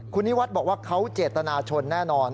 คุณนิวัฒน์บอกว่าเขาเจตนาชนแน่นอน